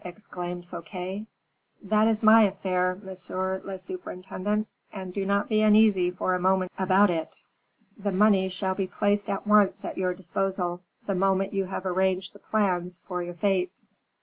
exclaimed Fouquet. "That is my affair, monsieur le surintendant; and do not be uneasy for a moment about it. The money shall be placed at once at your disposal, the moment you have arranged the plans of your fete."